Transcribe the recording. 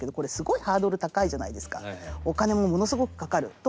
お金もものすごくかかる。